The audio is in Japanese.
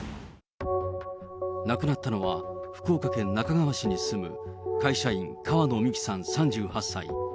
亡くなったのは、福岡県那珂川市に住む会社員、川野美樹さん３８歳。